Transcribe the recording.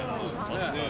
確かに。